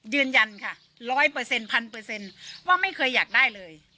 ยืนยันค่ะร้อยเปอร์เซ็นต์พันเปอร์เซ็นต์ว่าไม่เคยอยากได้เลย